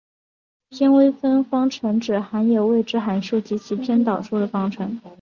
偏微分方程指含有未知函数及其偏导数的方程。